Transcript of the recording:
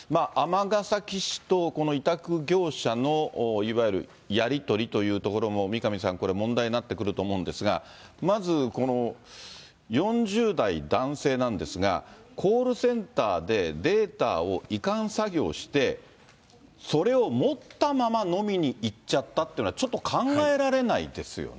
尼崎市とこの委託業者のいわゆるやり取りというところも、三上さん、これ、問題になってくると思うんですが、まず、この４０代男性なんですが、コールセンターでデータを移管作業して、それを持ったまま飲みに行っちゃったっていうのは、そうですね。